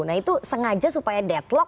nah itu sengaja supaya deadlock